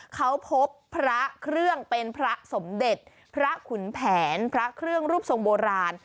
เขาพบพระเครื่องเป็นพระสมเด็จพระขุนแผนพระเครื่องรูปทรงโบราณ